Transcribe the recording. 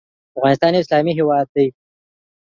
افغانستان یو اسلامې هیواد ده